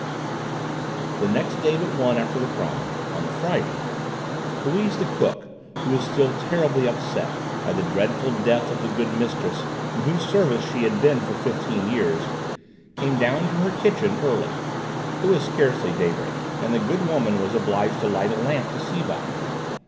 The next day but one after the crime, on the Friday, Louise the cook, who was still terribly upset by the dreadful death of the good mistress in whose service she had been for fifteen years, came down to her kitchen early. It was scarcely daybreak, and the good woman was obliged to light a lamp to see by.